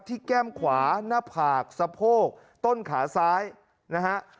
แก้มขวาหน้าผากสะโพกต้นขาซ้ายนะฮะ